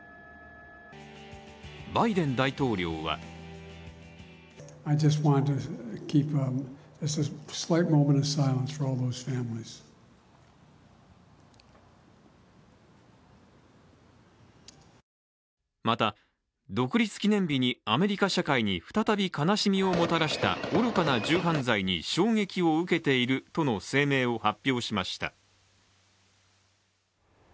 バイデン大統領はまた、独立記念日にアメリカ社会に再び悲しみをもたらした愚かな銃犯罪に衝撃を受けているとの声明を発表しました。